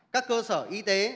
các cơ sở y tế